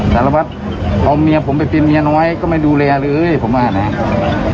สารวัตรพอเมียผมไปเป็นเมียน้อยก็ไม่ดูแลเลยผมว่านะ